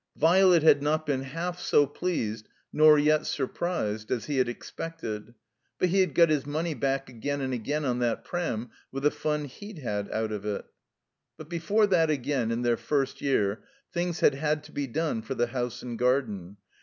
Violet had not been half so pleased nor yet surprised as he had expected; but he had got his money back again and again on that pram with the fun he'd had out of it. But before that again, in their first year, things had had to be done for the house and garden.